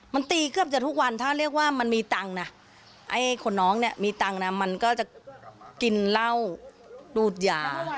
มันตีเกือบจะทุกวันถ้าเรียกว่ามันมีตังค์นะไอ้คนน้องเนี่ยมีตังค์นะมันก็จะกินเหล้าดูดยา